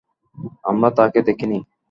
আমরা তাকে দেখিনি।